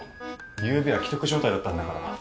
ゆうべは危篤状態だったんだから。